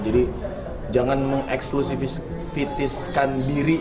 jadi jangan mengekslusifiskan diri